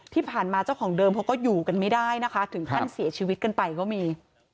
เจ้าของเดิมเขาก็อยู่กันไม่ได้นะคะถึงขั้นเสียชีวิตกันไปก็มี